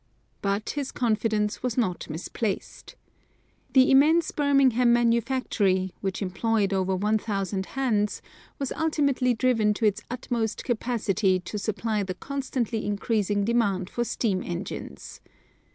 But his confidence was not misplaced. The immense Birmingham manufactory, which employed over one thousand hands, was ultimately driven to its utmost capacity to supply the constantly increasing demand for steam engines.